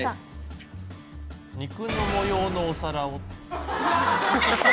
肉の模様のお皿を。